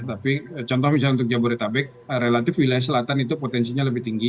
tapi contoh misalnya untuk jabodetabek relatif wilayah selatan itu potensinya lebih tinggi